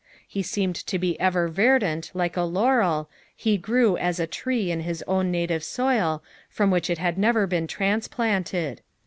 He aeemed to be erer Terdant like a laurel, he grew as a tree in its own native soil, from wbich it had never been traaspUnted.